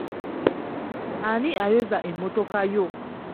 Ani ayoza emmotoka yo?